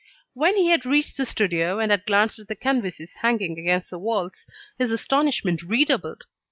When he had reached the studio, and had glanced at the canvases hanging against the walls, his astonishment redoubled.